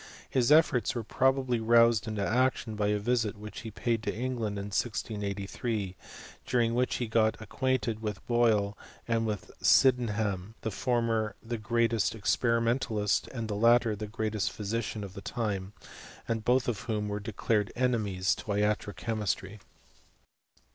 His efforts were probably roused into action by a visit which he paid to England in 1683, during which he got ac quainted with Boyle and with Sydenham ; the former the greatest experimentalist, and the latter the greatest physician of the time ; and both of whom were de clared enemies to iatro chemistry.